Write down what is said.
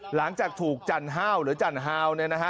หลังจากถูกจันทร์ฮาวหรือจันทร์ฮาวเนี่ยนะฮะ